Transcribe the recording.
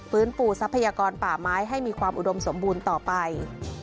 ปูทรัพยากรป่าไม้ให้มีความอุดมสมบูรณ์ต่อไป